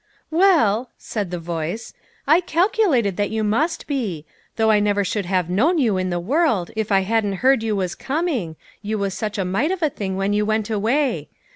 "Well," said the voice, " I calculated that you 66 LITTLE FISHEES : AXD THEIR NETS. must be; though I never should have known you in the world, if I hadn't heard you was coming, you was such a mite of a thing when you went away.